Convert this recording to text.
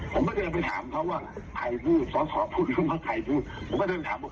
ผมก็เลยบอกว่าจำไหมนะผมก็พูดแล้วผมก็คีย์โมงไปบอกว่าจำไหมนะ